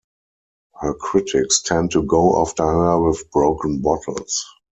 Her critics tend to go after her with broken bottles.